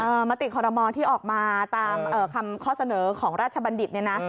มติคอรมอที่ออกมาตามคำข้อเสนอของราชบัณฑิตเนี่ยนะ